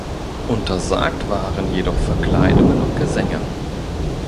Untersagt waren jedoch Verkleidungen und Gesänge.